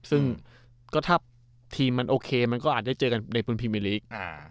ซึ่งก็ถ้าทีมมันโอเคมันก็อาจได้เจอกันในปุ่นพรีเมอร์ลีก